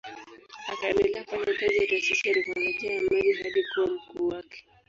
Akaendelea kufanya kazi ya taasisi ya teknolojia ya maji hadi kuwa mkuu wake.